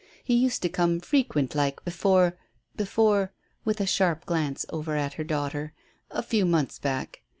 He used to come frequent like before before " with a sharp glance over at her daughter, "a few months back.